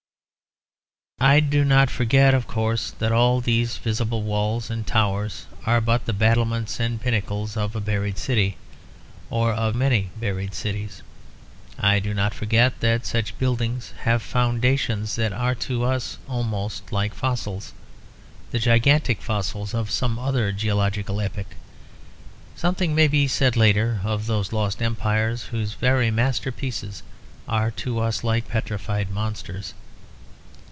I do not forget, of course, that all these visible walls and towers are but the battlements and pinnacles of a buried city, or of many buried cities. I do not forget that such buildings have foundations that are to us almost like fossils; the gigantic fossils of some other geological epoch. Something may be said later of those lost empires whose very masterpieces are to us like petrified monsters.